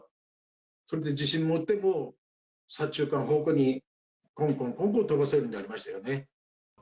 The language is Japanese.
それで自信持って、左中間方向にぽんぽんぽんぽん飛ばせるようになりましたよね。